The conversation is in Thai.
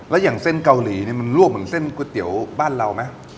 แล้วอย่างเส้นเกาหลีนี่มันลวกเหมือนเส้นก๋วยเตี๋ยวบ้านเราไหม